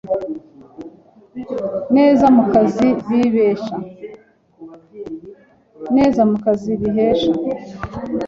neza mu kazi bihesha